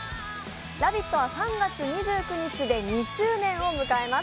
「ラヴィット！」は３月２９日で２周年を迎えます。